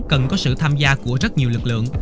cần có sự tham gia của rất nhiều lực lượng